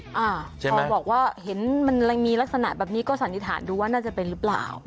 พอบอกว่าเห็นมันมีลักษณะแบบนี้ก็สันนิษฐานดูว่าน่าจะเป็นหรือเปล่า